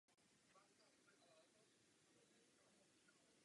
Zákazy jsou ubohou náhražkou zdravého rozumu.